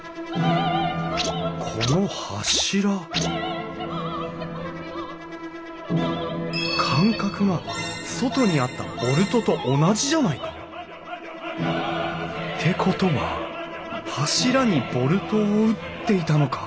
この柱間隔が外にあったボルトと同じじゃないか？ってことは柱にボルトを打っていたのか？